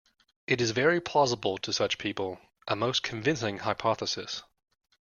It is very plausible to such people, a most convincing hypothesis.